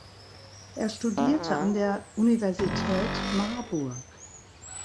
Er studierte an der Universität Marburg.